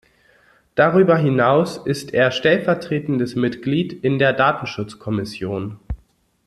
Darüber hinaus ist er stellvertretendes Mitglied in der "Datenschutzkommission".